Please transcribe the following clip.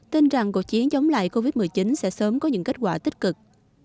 tin rằng cuộc chiến chống lại covid một mươi chín sẽ sớm có những kết quả tích cực